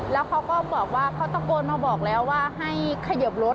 แล้วเขาก็บอกว่าเขาตะโกนมาบอกแล้วว่าให้เขยิบรถ